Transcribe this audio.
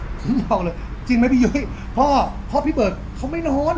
ผมบอกเลยจริงไหมพี่ยุ้ยพ่อพ่อพี่เบิร์ดเขาไม่นอน